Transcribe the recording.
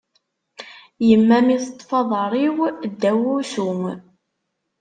Yemma mi teṭṭef aḍar-iw ddaw wusu.